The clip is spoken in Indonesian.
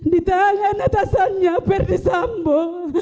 ditanya netasannya ferdi sambo